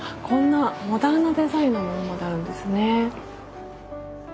こんなモダンなデザインのものまであるんですね。